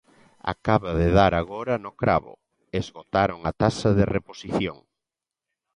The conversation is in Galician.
Acaba de dar agora no cravo: esgotaron a taxa de reposición.